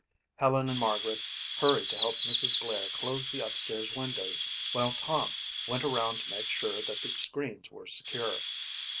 Helen and Margaret hurried to help Mrs. Blair close the upstairs windows while Tom went around to make sure that the screens were secure.